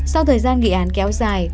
sau thời gian nghị án kéo dài